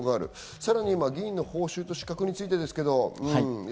さらに議員の報酬と資格についてですね。